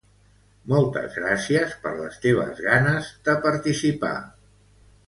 Moltes gràcies per les teves ganes de participar!